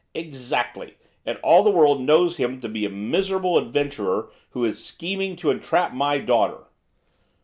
'Exactly, and all the world knows him to be a miserable adventurer who is scheming to entrap my daughter.